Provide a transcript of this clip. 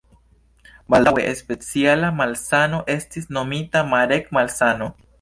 Baldaŭe speciala malsano estis nomita Marek-malsano.